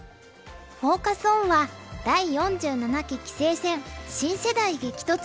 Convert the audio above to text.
フォーカス・オンは「第４７期棋聖戦新世代激突！！」。